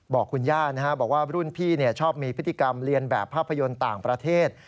บอกคุณย่าบอกว่ารุ่นพี่ชอบมีพฤติกรรมเรียนแบบภาพยนตร์ต่างประเทศ